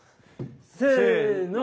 せの。